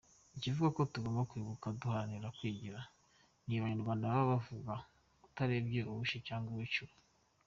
Ikivugwa ko tugomba kwibuka duharanira kwigira, ni Abanyarwanda baba bavugwa utarebye uwishe cyangwa uwiciwe.